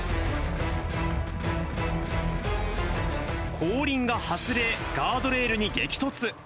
後輪が外れ、ガードレールに激突。